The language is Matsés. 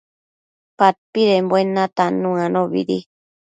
padpidembuen natannu anobidi